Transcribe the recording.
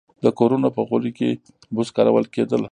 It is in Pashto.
د کورونو په غولي کې بوس کارول کېدل